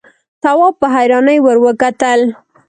تواب په حيرانۍ ور وکتل.